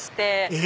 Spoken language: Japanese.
え！